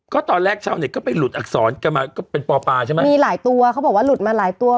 ก็ตอนแรกชาวเน็ตก็ไปหลุดอักษรกันมาก็เป็นปอปาใช่ไหมมีหลายตัวเขาบอกว่าหลุดมาหลายตัว